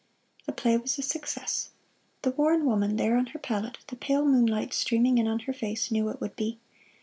The play was a success. The worn woman there on her pallet, the pale moonlight streaming in on her face, knew it would be.